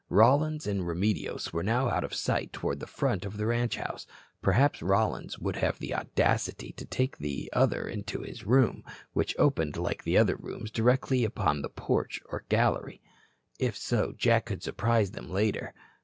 Rollins and Remedios were now out of sight toward the front of the ranch house. Perhaps Rollins would have the audacity to take the other into his room, which opened like the other rooms directly upon the porch or gallery. If so, Jack could surprise them later.